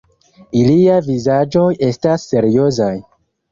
Iliaj vizaĝoj estas seriozaj.